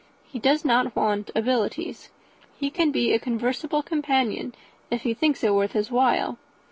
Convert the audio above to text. He does not want abilities. He can be a conversible companion if he thinks it worth his while.